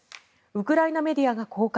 ウクライナメディアが公開